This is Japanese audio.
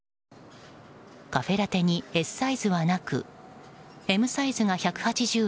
カフェラテにＳサイズはなくＭサイズが１８０円